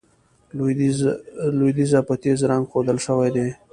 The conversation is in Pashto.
لوېدیځه په تېز رنګ ښودل شوي دي.